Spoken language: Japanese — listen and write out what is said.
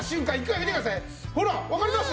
ほらわかります？